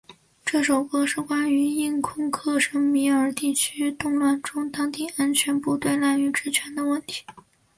这首歌是关于印控克什米尔地区的动乱中当地安全部队滥用职权的问题。